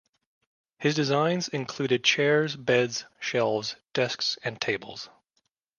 His designs included chairs, beds, shelves, desks and tables.